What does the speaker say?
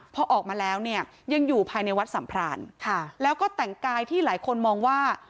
พอออกมาแล้วเนี่ยยังอยู่ภายในวัดสัมพรานค่ะแล้วก็แต่งกายที่หลายคนมองว่า